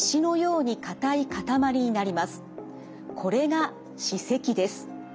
これが歯石です。